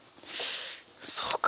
そうか。